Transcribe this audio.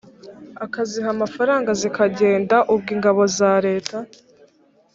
akaziha amafaranga zikagenda ubwo ingabo za leta